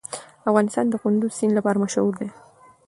افغانستان د کندز سیند لپاره مشهور دی.